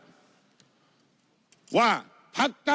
มันก็เป็นความหวังของคนไทยครับ